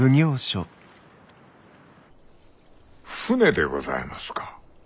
船でございますか。